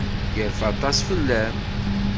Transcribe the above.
Yerfa aṭas fell-am.